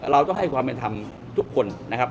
เราต้องให้ความเป็นธรรมทุกคนนะครับ